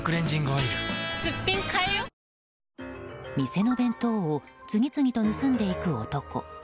店の弁当を次々と盗んでいく男。